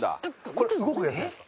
これ動くやつですか？